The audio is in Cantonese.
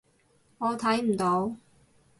我睇唔到